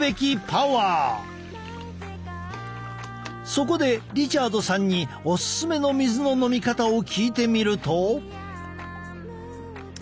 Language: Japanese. そこでリチャードさんにオススメの水の飲み方を聞いてみると。